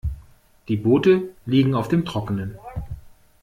Die Boote liegen auf dem Trockenen.